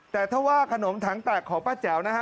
แต่ถ้าว่าขนมถังแตกของป้าแจ๋วนะฮะ